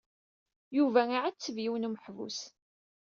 Yuba iɛetteb yiwen n umeḥbus.